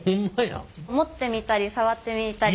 持ってみたり触ってみたり。